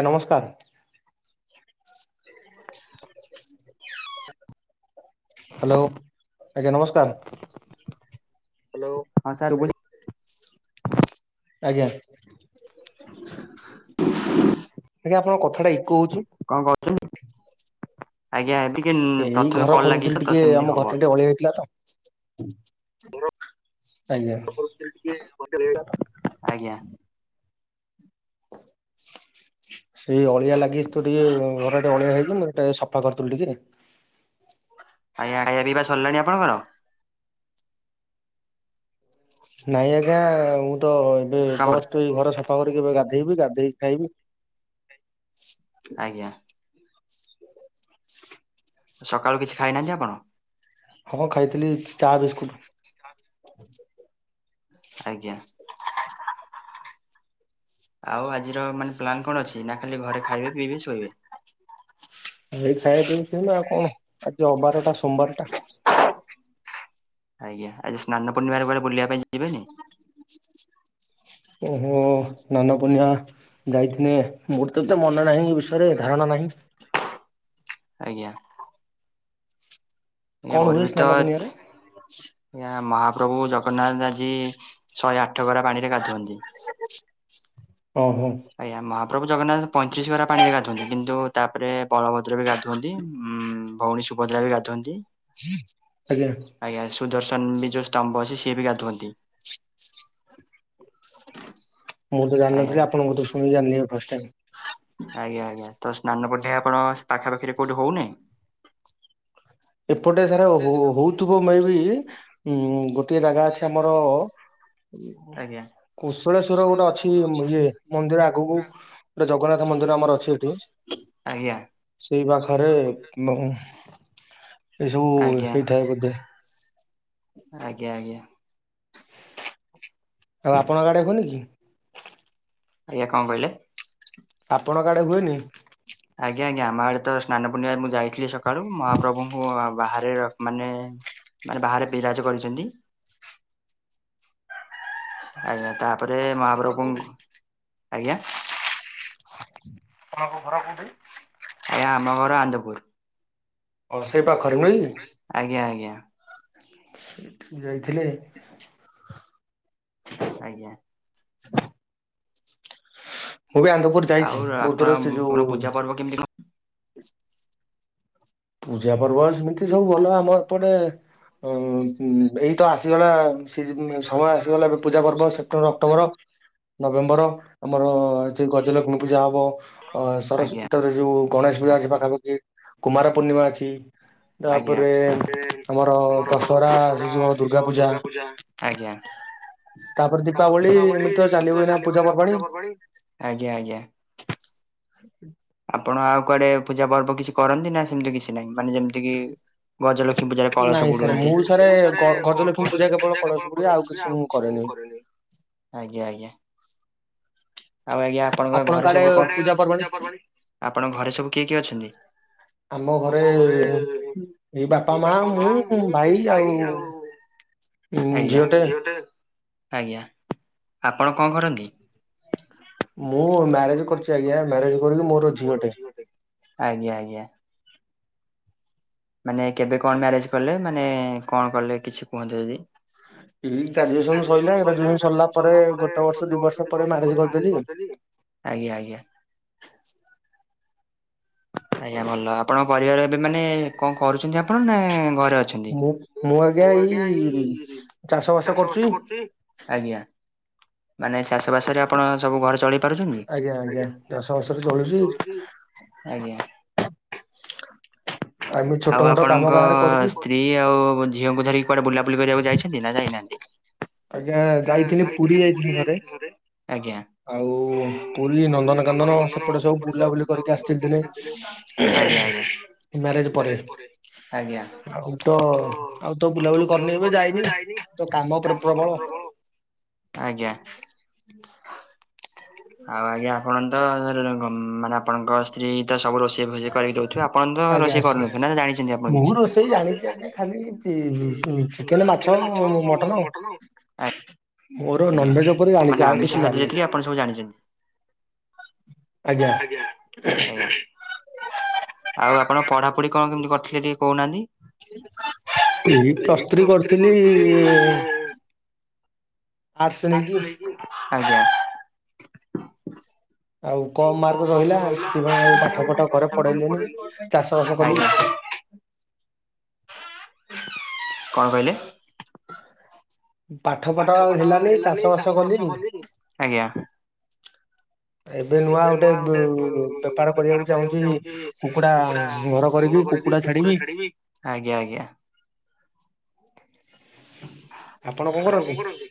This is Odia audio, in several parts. ଆଜ୍ଞା ନମସ୍କାର। ହ୍ୟାଲୋ ଆଜ୍ଞା ନମସ୍କାର। ହ୍ୟାଲୋ ହଁ ସାର୍ ବୁ ଆଜ୍ଞା। ଆଜ୍ଞା ଆପଣଙ୍କ କଥାଟା ଇକୋ ହଉଛି। ଆଜ୍ଞା ବି। ଏଇ ଘର ଖରୁକୁଥିଲୀ ଟିକେ ଆମ ଘରଟା ଟିକେ ଅଳିଆ ହେଇଥିଲା ତ। ଆଜ୍ଞା। ଆଜ୍ଞା। ସେଇ ଅଳିଆ ଲାଗିଛି ତ ଟିକେ ଆଁ ଘରେ ଟିକେ ଅଳିଆ ହେଇଛି ମୁଁ ଟିକେ ସଫା କରୁଥିଲି ଟିକେ। ଆଜ୍ଞା ଖାଇବା ପିଇବା ସରିଲାଣି ଆପଣଙ୍କର? ନାଇଁ ଆଜ୍ଞା ମୁଁ ତ ଏବେ ଜଷ୍ଟ ଏ ଘର ସଫା କରିକି ଏବେ ଗାଧେଇବି ଗାଧି ରେ ଖାଇବି। ଆଜ୍ଞା। ସକାଳୁ କିଛି ଖାଇନାହାନ୍ତି ଆପଣ? ହଁ ଖାଇଥିଲି ଚା ବିସ୍କୁଟ। ଆଜ୍ଞା। ଆଉ ଆଜିର ମାନେ ପ୍ଲାନ କଣ ଅଛି? ନା ଖାଲି ଘରେ ଖାଇବେ, ପିଇବେ, ଶୋଇବେ। ଏଇ ଖାଇବା ଦଉ ନା ଆଉ କଣ? ଆଜି ଅବାରଟା ସୋମବାରଟା। ଆଜ୍ଞା ଆଜି ସ୍ନାନ ପୂର୍ଣ୍ଣିମାରେ କୁଆଡେ ବୁଲିବା ପାଇଁ ଯିବେନି। ଓହୋ ସ୍ନାନ ପୁଣିଆ ଯାଇଥିଲେ ମୋର ତ ଏତେ ମନେ ନାହିଁ, ଏ ବିଷୟରେ ଧାରଣା ନାହିଁ। ଆଜ୍ଞା। ଏ ଭରିବିତ ତ ଏହା ମହା ପ୍ରଭୁ ଜଗନ୍ନାଥ ଆଜି ଶହେ ଆଠ ଗରା ପାଣିରେ ଗାଧୁଅନ୍ତି। ଆଜ୍ଞା ମହାପ୍ରଭୁ ଜଗନ୍ନାଥ ପଇଁତିରିଶି ଗରା ପାଣିରେ ଗାଧୁଅନ୍ତି କିନ୍ତୁ ତାପରେ ବଳଭଦ୍ର ବି ଗାଧୁଅନ୍ତି, ଉଁ ଭଉଣୀ ସୁଭଦ୍ରା ବି ଗାଧୁଅନ୍ତି। ଆଜ୍ଞା। ସୁଦର୍ଶନ ବି ଯୋଉ ସ୍ତମ୍ଭ ଅଛି ସିଏ ବି ଗାଧୁଅନ୍ତି। ମୁଁ ତ ଜାଣିନଥିଲି, ଆପଣଙ୍କୁ ତ ଶୁଣି ଜାଣିଲି ଫାଷ୍ଟ ଟାଇମ। ଆଜ୍ଞା ଆଜ୍ଞା ତ ସ୍ନାନ ପୂର୍ଣ୍ଣିମା ଆପଣଙ୍କ ପାଖାପାଖିରେ କୋଉଠି ହଉନି? ଏପଟେ ସାର ହଉ -ହଉଥିବ। ମେବି ଉଁ ଗୋଟେ ଜାଗା ଅଛି ଆମର ହୁଁ। କୁଶେଳେଶ୍ଵର ଗୋଟେ ଅଛି, ଇଏ ମନ୍ଦିର ଆଗକୁ ଗୋଟେ ଜଗନ୍ନାଥ ମନ୍ଦିର ଆମର ଅଛି ଏଠି। ଆଜ୍ଞା। ସେଇ ପାଖରେ ହୁମ୍ ଏ ସବୁ ହେଇଥାଏ ବଧେ। ଆଉ ଆପଣଙ୍କ ଆଡ଼େ ହୁଏନି କି? ଆଜ୍ଞା କଣ କହିଲେ? ଆପଣଙ୍କ ଆଡେ ହୁଏନି? ଆଜ୍ଞା ଆଜ୍ଞା ଆମ ଆଡେ ତ ସ୍ନାନ ପୂର୍ଣ୍ଣିମା ମୁଁ ଯାଇଥିଲି, ସକାଳୁ ମହାପ୍ରଭୁଙ୍କୁ ବାହାରେ ମାନେ ମାନେ ବାହାରେ ବିରାଜ କରିଛନ୍ତି। ଆଜ୍ଞା ତାପରେ କୋଉଠି? ଆଜ୍ଞା। ତମ ଘର କୋଉଠି? ଆଜ୍ଞା ଆମ ଘର ଆନ୍ଦପୁର। ଆଜ୍ଞା ଆଜ୍ଞା। ଯାଇଥିଲେ। ଆଜ୍ଞା। ମୁଁ ବି ଆନନ୍ଦପୁର ଯାଇଛି ବହୁତ୍ ଥର ସେ ଯୋଉ ପୂଜାପର୍ବ ସେମିତି ସବୁ ଭଲ ଆମ ଏପଟେ। ହ ଉଁ ଏଇତ ଆସିଗଲା। ସମୟ ଆସିଗଲା ଏ ପୂଜା ପର୍ବ September, October, November. Gajalakshmi Puja ହବ ଅ, ସରସ୍ଵତୀରେ ଯୋଉ ଗଣେଶ ପୂଜା ଅଛି ପାଖାପାଖି, କୁମାର ପୂର୍ଣ୍ଣିମା ଅଛି। ଆଜ୍ଞା ସେ ଆମର ଯୋଉ ଦଶରା ହେଇଯିବ ଦୁର୍ଗା ପୂଜା ଆଜ୍ଞା। [inaudible] ତାପରେ ଦୀପାବଳି ଏମିତି ତ ଚାଲିବଏ ନା ପୂଜା ପର୍ବାଣୀ, ଆଜ୍ଞା ଆଜ୍ଞା। [inaudible] [inaudible] ଆପଣ ଆଉ କୁଆଡେ ପୂଜା ପର୍ବ କିଛି କରନ୍ତି ନା ସେମିତି କିଛି ନାହିଁ? ମାନେ ଯେମିତି କି ଗଜଲ ଲକ୍ଷ୍ମୀ ପୂଜାରେ କଳସ ପୁଡୁନ୍ତି। ନାଇ ସାର୍ ମୁଁ ସରେ ଗ ଗଜଲକ୍ଷ୍ମୀ ପୂଜା କେବଳ କଳସ ପୁଡିବ ଆଉ କିଛି ମୁଁ କରେନି। ଆଜ୍ଞା ଆଜ୍ଞା। ଆଉ ଆଜ୍ଞା ଆପଣଙ୍କ ଘରେ ସବୁ ଆପଣଙ୍କ ଘରେ ସବୁ କିଏ କିଏ ଅଛନ୍ତି? ଆମ ଘରେ ଏଇ ବାପା, ମା, ମୁଁ, ଭାଇ, ଆଉ ଆଜ୍ଞା, ଝିଅଟେ। ଆଜ୍ଞା, ଆପଣ କଣ କରନ୍ତି? ମୁଁ ମ୍ୟାରେଜ କରିଛି ଆଜ୍ଞା ମ୍ୟାରେଜ କରିକି ମୋର ଝିଅଟେ। ମାନେ କେବେ କଣ ମ୍ୟାରେଜ କଲେ ମାନେ କଣ କଲେ କିଛି କୁହନ୍ତ ଯଦି? ଏଇ ଗ୍ରାଜୁଏସନ ସରିଲା ଗ୍ରାଜୁଏସନ ସରିଲା ପରେ ଗୋଟେ ବର୍ଷ ଦି ବର୍ଷ ପରେ ମ୍ୟାରେଜ କରିଦେଲି। ଆଜ୍ଞା ଆଜ୍ଞା। ଆଜ୍ଞା ଭଲ ଆପଣଙ୍କ ପରିବାର ଏବେ ମାନେ କଣ କରୁଛନ୍ତି ଆପଣ ନା ଘରେ? ଛନ୍ତି, ମୁଁ ଆଜ୍ଞା ଏଇ ଚାଷ ବାସ କରୁଛି। ଆଜ୍ଞା ମାନେ ଚାଷ ବାସ ରେ ଆପଣ ସବୁ ଘର ଚଳେଇ ପାରୁଛନ୍ତି? ଆଜ୍ଞା [unintelligible] ସମସ୍ତ ଚଳୁଛି। ଆଉ ଆପଣଙ୍କ ସ୍ତ୍ରୀ ଆଉ ଝିଅଙ୍କୁ ଧରିକି କୁଆଡେ ବୁଲା ବୁଲି କରିବାକୁ ଯଛନ୍ତି ନା ଯାଇନାହାନ୍ତି? ଆ୍ ଯାଇଥିଲି ପୁରୀ ଯାଇଥିଲି ବୋଧେ, ଆଜ୍ଞା। ଆଉ ପୁରୀ, ନନ୍ଦନକନ୍ଦନ ସେପଟେ ସବୁ ବୁଲାବୁଲି କରିକି ଆସିଚି ଥିଲେ, ଆଜ୍ଞା। ଆଜ୍ଞା। ମ୍ୟାରେଜ ପରେ ଆଉ ତ ଆଉ ତ ବୁଲାବୁଲି କରିନେଇ ଏବେ ଯାଇନି। ତ କାମ ପ୍ର ପ୍ରବଳ, ଆଜ୍ଞା। ଆଉ ଆଜ୍ଞା ଆପଣ ତ ମାନେ ଆପଣଙ୍କ ସ୍ତ୍ରୀ ତ ସବୁ ରୋଷେଇ ଭୋଷେଇ କରିକି ଦଉଥିବେ। ଆପଣ ରୋଷେଇ କରୁନ ନାନ୍ତି ନା ଜାଣିଛନ୍ତି ଆପଣ କିଛି? ମୁ ରୋଷେଇ ଜାଣିଛି ଏଇ ଚିକେନ, ମାଛ। ମାଛ, ମଟନ। ଆଜ୍ଞା ମାନେ ଆମିତଷାହା ଯେତିକି ଆପଣ ସବୁ ଜାଣିଛନ୍ତି? ଆଜ୍ଞା, ହଁ। ଆଉ ଆପଣ ପଢାପଢି କଣ କେମିତି କରିଥିଲେ ଟିକେ କହୁନାହାନ୍ତି? ଏଇ ପ୍ଲସ ଥ୍ରି କରିଥିଲି। ଆର୍ସ ନେଇକି, ଆଜ୍ଞା। ଆଉ କମ ମାର୍କ ରହିଲା ଆଉ ପାଠ ଶାଠ ଘରେ ପଢେଇଲେନି, ଆଜ୍ଞା। କଣ କହିଲେ? ପାଠ ପାଠ ଆଉ ହେଲାନି ଚାଷ ବାସ କଲିନି। ଏବେ ନୂଆ ଗୋଟେ ବେ ବେପାର କରିବାକୁ ଚାହୁଁଛି କୁକୁଡା ଘର କରିକି କୁକୁଡ଼ା କୁକୁଡ଼ା ଛାଡିବି, ଆଜ୍ଞା ଆଜ୍ଞା। ଆପଣ କଣ କରନ୍ତି?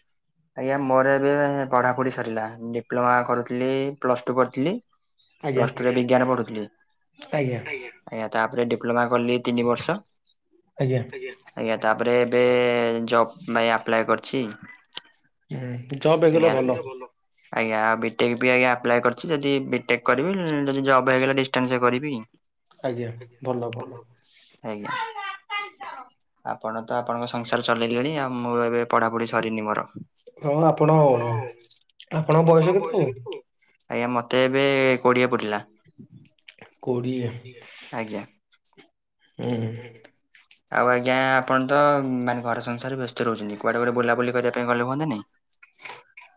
ଆଜ୍ଞା ମୋର ଏବେ ପଢ଼ାପଢ଼ି ସାରିଲା ଡିପ୍ଲୋମା କରୁଥିଲି, ପ୍ଲସ୍ ଟୁ ପଢ଼ଥିଲି। ପ୍ଲସ ଟୁରେ ବିଜ୍ଞାନ ପଢୁଥିଲି, ଆଜ୍ଞା। ତାପରେ ଡିପ୍ଲୋମା କଲି ତିନି ବର୍ଷ ଆଜ୍ଞା ତାପରେ ଏବେ ଭାଇ ଆପ୍ଲାଏ କରିଛି। ହୁଁ ଜବ୍ ହେଗଲେ ଭଲ। ଆଜ୍ଞା ଆଉ ବିଟେକ୍ ବି ଆଞା ଆପ୍ଲାଏ କରିୁଛି ଯଦି ବିଟେକ୍ କରିବି ଯଦି ଜବ୍ ହେଇଗଲା ଡିାଷ୍ଟନ୍ସ କେ କରିବି ଆଞା [unintelligible] ଆପଣ ତ ଆପଣଙ୍କ ସଂସାର ଚଲେଇଲେଣି ଆଉ ମୁଁ ଏବେ ପଢ଼ାପଢ଼ି ସରିନି ମୋର। ହଁ ଆପଣ ଆପଣଙ୍କ ବୟସ କେତେ ଆଉ ଆଜ୍ଞା ମତେ ଏବେ କୋଡିଆ ପୁରିଲା। କୋଡ଼ିଏ ହୁଁ। ଆଉ ଆଜ୍ଞା ଆପଣ ତ ମାନେ ଘର ସଂସାର ବ୍ୟସ୍ତ ରହୁଛନ୍ତି କୁଆଡେ ଗୋଟେ ବୁଲାବୁଲି କରିବା ପାଇଁ ଗଲେ ହୁଅତା ନାଇଁ? ହ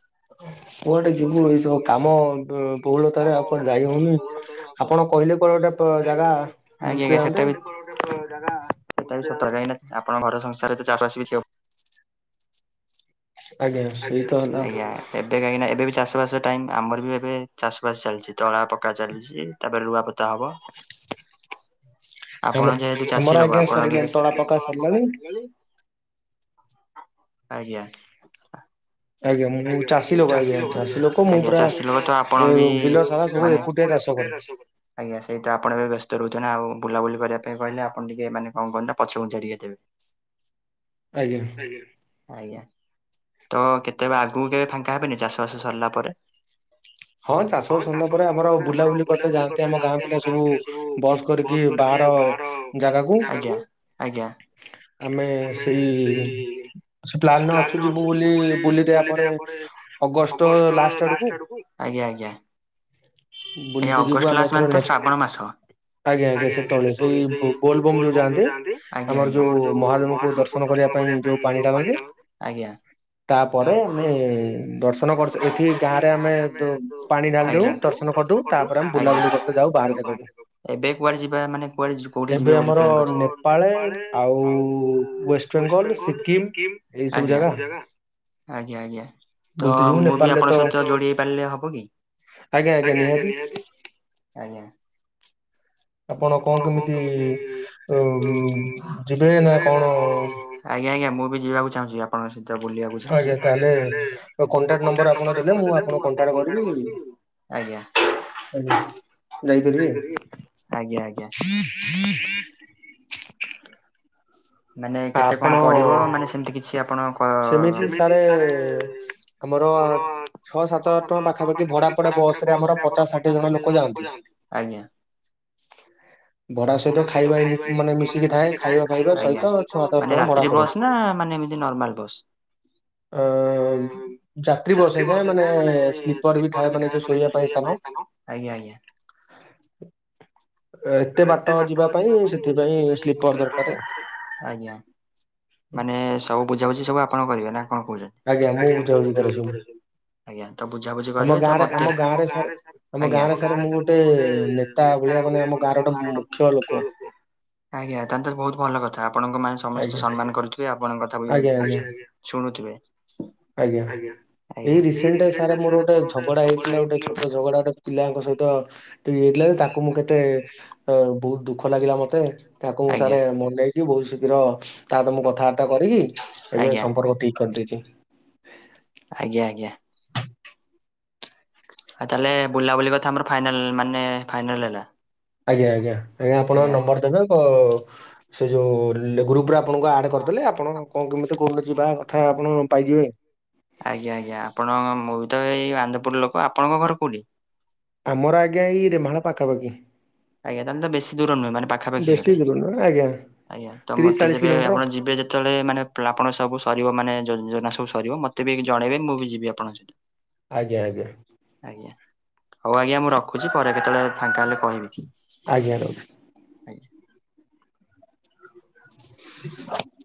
କୁଆଡେ ଯିବୁ ଏଇ ସବୁ କାମ ବହୁଳତାରେ ଆଉ କୁଆଡେ ଯାଇ ହଉନି ଆପଣ କହିଲେ। କ ଗୋଟେ ଜାଗା ବୁଲିତେ ଯାଆନ୍ତେ। ଟା ଟା ହେଁ ଆପଣ ଘର ସଂସାରେ ତ ଚାଷବାସ ବି ିବ [unintelligible] ଆଜ୍ଞା ଏବେ କାହିଁକି ଏବେ ବି ଚାଷ ଚାଷବାସ ଟାଇମ ଆମର ବି ଏବେ ଚାଷ ବାସ ଚାଲିଛି ତଳା ପକା ଚାଲିଛି ତାପରେ ରୁଆ ପତା ହବ ଆପଣ ଯେହେତୁ ଚାଷୀ ଲୋକ ଆପଣ [unintelligible] ଆଜ୍ଞା ଆଜ୍ଞାମୁ ଚାଷୀ ଲୋକ ତ ଆପଣ ବି ମାନେ ଆଜ୍ଞା ସେଇଟା ଆପଣ ଏ ବ୍ୟସ୍ତ ରଦ୍ରୁଛନି ନା ଆଉ ବୁଲାବୁଲି କରିବା ପାଇଁ କହିଲେ ଆପଣ ଟିକେ ମାନେ କଣ କରନ୍ତ ପଛକୁଞ୍ଚିକ ଦେବେ ଆଜ୍ଞା ଆଜ୍ଞା ତ କେତେବେ ଆଗକୁ କେବେ ଫାଙ୍କା ହେବେନି ଚାଷ ବାସ ସରିଲା ପରେ ହଁ ଚାଷ ବାଷ ସରିଲା ପରେ ଆମର ବୁଲାବୁଲି କରିତେ ଯାଆନ୍ତି ଆମ ଗାଁ ପିଲା ସବୁ ବସ୍ କରିକି ବା ବାହାର ଜାଗାକୁ ଆମେ ସେଇ ସେ ପ୍ଲାନରେ ଅଛୁ ଯିବୁ ବୋଲି ବୁଲିତେ ପରେ ଅଗଷ୍ଟ ଲାଷ୍ଟ୍ ଆଡ଼କୁ ଆଜ୍ଞା ଆଜ୍ଞା। ବୁଲିବେ ଯିବୁ ଆମେ ଏଥର ନେ ଆଜ୍ଞା ଆଜ୍ଞା ସେତେଳେ ସେଇ ବୋଲବୋମ ଯୋଉ ଯାଆନ୍ତି ଆମର ଯୋଉ ମହାଦେବଙ୍କୁ ଦର୍ଶନ କରିବା ପାଇଁ ଯୋଉ ପାଣି ଡାଳନ୍ତି ତା ପ ରେ ଆମେ ଦର୍ଶନ କରିଛ ଏଠି ଗାଁ ରେ ଆମେ ପାଣି ଢ଼ାଳି ଦଉ ଦର୍ଶ ଦର୍ଶନ କରିଦେଉ ତାପରେ ବୁଲିବାକୁ ଯାଉବାହାର ଯାଗାକୁଏବେ କୁଆଡେ ଯିବା ମାନେ କୁଆଡ଼େ କୋଉଠି ଯିବେବୋଲି ପ୍ଲାନ୍ ଆର ନେପାଳ ଆଉ େୱେଷ୍ଟ ବେଙ୍ଗଲ ସିକିମ ଏ ସବୁ ଜାଗା ଆଜ୍ଞା ଆଜ୍ଞା ତ ମୁଁ ବି ଆପଣଙ୍କ ସହିତ ଯୋଡି ହେଇ ପାରିଲେ ହବ କି ନିହାତି ଆଜ୍ଞା ଆପଣ କଣ କେମିତି ଯିବେ ନା କଣ ଆଜ୍ଞ ଆଜ୍ ମୁ ବି ଯିବାକୁ ଚାହୁଛି ଆପଣଙ୍କ ସ ତ ବୁଲିବାକୁ ଚାହୁଁଛି ତାହେଲେ କଣ୍ଟାଟ ନମ୍ବର ଦେଲେ ମୁଁ ଆପଣକୁ କଣ୍ଟାଟ୍ କରିବି ଆଜ୍ଞା ଯାଇପାରିବି ଆଞା ଆଜ୍ଞା ଆଜ୍ଞା। ମାନେ କେତେ କଣ ପଡିବ ମାନେ ସେମିତି କିଛି ଆପଣ ସେମିତି ସାର ଆମର ସୋଳ ସତର ହଜାରେ ଟଙ୍କା ପାଖା ଯଦି ଭଡାପଡ଼େ ବସ ରେ ଆମର ପଚାଶ ଷାଠିଏ ଜଣ ଲୋକ ଯାଆନ୍ତି ଆଜ୍ଞା ଭଡା ସହିତ ଖାଇବା ମାନେ ମିଶିକି ଥାଏ ଖାଇବା ଫାଇବା ସହିତ ମାନେ ରାତ୍ରି ବସ୍ ନା ମାନେ ଏମତି ନର୍ମାଲ୍ ବସ୍ ଅ ଚାକିରୀ ବସେ ମାନେ ସ୍ଲିପର ବି ଥାଏ ମାନେ ଯଉ ଶୋଇବା ପାଇଁ ଆଜ୍ଞା ଆଜ୍ଞା ଏତେ ବାଟ ଯିବା ପାଇଁ ସେଥିପାଇଁ ସ୍ଲିପର୍ ଦରକାରେ ଆଜ୍ଞା ମାନେ ସବୁ ବୁଝାବୁଝି ସବୁ ଆପଣ କରିବେ ନା କଣ କହୁ ଆଜ୍ଞା ମୁଁ ବୁଝା ବୁଝି କରେସବୁ। ଆଜ୍ଞା ତ ବୁଝାବୁଝି କରିବେ ତ ମତେ ଆମ ଗାଁରେ ଆମ ଗାଁ ରେ ସାର ମୁ ଗୋଟେ ନେତା ନା ହୁଏ ମାନେ ଆମ ଗାଁର ଗୋଟେ ମୁଖ୍ୟ ଲୋକ ଆଜ୍ଞା ତାେ ତ ବହୁତ ଭଲ କଥା। ଆପଣଙ୍କୁ ମାନେ ସମସ୍ତେ ସମ୍ମାନ କରୁଥିବେ ଆପଣଙ୍କ କଥାକୁ ଶୁଣୁଥିବେ। ଆଜ୍ଞା ଏଇ ରିସେଣ୍ଟ ସାର ମୋର ଗୋଟେ ଝଗଡା ହେଇଥିଲା ଗୋଟେ ଛୋଟ ଝଗଡା ଗଟେ ପିଲାଙ୍କ ସହିତ ଟେ ହେଇଥିଲା ଯେ ତାକୁ ମୁଁ କେତେ ଅ ବହୁତ ଦୁଃଖ ଲାଗିଲା ମତେ ତାକୁ ମୁଁ ସାର ମନେଇକି ବହୁତ ଶୀଘ୍ର ତା ତ ମୁଁ କଥାବାର୍ତ୍ତା କରିକି ଏବେ ସମ୍ପର୍କ ଠିକ୍ କରିଦେଇଛି। ଆଜ୍ଞା ଆଜ୍ଞା। ଆ ତାହେଲେ ବୁଲାବୁଲି କଥା ଆମର ଫାଇନାଲ ମାନେ ଫାଇନାଲ ହେଲା। ଆଜ୍ଞା ଆଜ୍ଞା ଆଜ୍ଞା ଆପଣଙ୍କ ନମ୍ବର ଦେବେ ବ ସେ ଯୋଉ ଲେଗ୍ରୁପରେ ଆପଣଙ୍କୁ ଆଡ କରୁଥିଲେ ଆପଣ କଣ କେମିତି କହୁ ନା ଯିବା କଥା ଆପଣ ପାଇଯିବେ। ତ ଏଇ ଆନ୍ଦପୁର ଲୋକ ଆପଣଙ୍କ ଘର କୋଉଠି? ଆମର ଆଜ୍ଞା ଏଇ ରେମାଳ ପାଖାପାଖି। ଆଜ୍ଞା ତାହେଲେ ତ ବେଶୀ ଦୂର ନୁହେଁ ମାନେ ପାଖାପାଖି ହେବେ। ଆଜ୍ଞା ତ ମତେ ଯେବେ ଆପଣ ଯିବେ ଯେତେବେଳେ ମାନେ ଆପଣ ସବୁ ସରିବ ମାନେ ଯୋଞ୍ଜନା ସବୁ ସରିବ ମତେ ବି ଜଣେଇବେନ ମୁଁ ବି ଯିବି ଆପଣଙ୍କ ସହିତ। ଆଜ୍ଞା ଆଜ୍ଞା। ହଉ ଆଜ୍ଞା ମୁଁ ରଖୁଛି ପରେ କେତେବେଳେ ଫାଙ୍କା ହେଲେ କହିବି। ଆଜ୍ଞା ରହୁ ଆଜ୍ଞା। [inaudible]